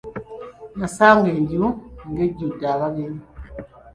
Yasanga enju ng’ejjudde abagenyi.